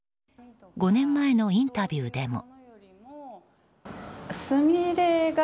５年前のインタビューでも。